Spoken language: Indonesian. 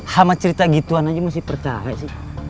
hama cerita gituan aja masih percaya sih